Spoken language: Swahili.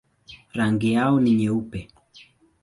Rangi yao ni nyeupe.